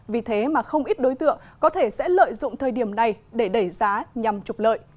vì thế mà không ít đối tượng có thể sẽ lợi dụng thời điểm này để đẩy giá nhằm trục lợi